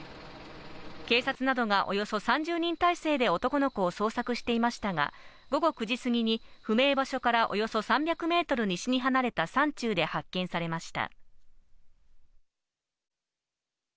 警察などがおよそ３０人態勢で男の子を捜索していましたが午後９時過ぎに不明場所からおよそ３００ｍ西に離れた山中で発見されました。